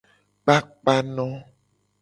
Kpakpano.